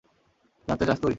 জানতে চাস তুই?